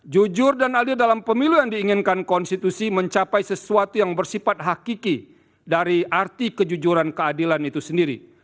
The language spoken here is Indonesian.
jujur dan adil dalam pemilu yang diinginkan konstitusi mencapai sesuatu yang bersifat hakiki dari arti kejujuran keadilan itu sendiri